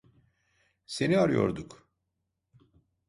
Seni arıyorduk.